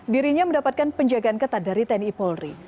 dirinya mendapatkan penjagaan ketat dari tni polri